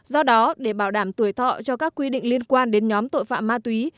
do đó để bảo đảm tuổi thọ cho các quy định liên quan đến nhóm tội phạm ma túy